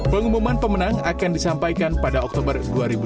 pengumuman pemenang akan disampaikan pada oktober dua ribu dua puluh satu